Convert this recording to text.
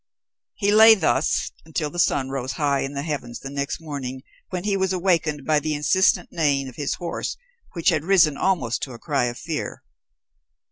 He lay thus until the sun rose high in the heavens the next morning, when he was awakened by the insistent neighing of his horse which had risen almost to a cry of fear.